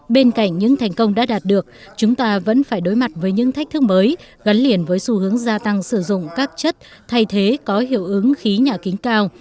bên cạnh những thành công đã đạt được chúng ta vẫn phải đối mặt với những thách thức mới gắn liền với xu hướng gia tăng sử dụng các chất thay thế có hiệu ứng khí nhà kính cao